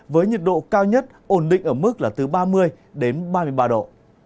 với nhiệt độ cao nhất ổn định ở mức là từ ba mươi đến ba mươi ba độ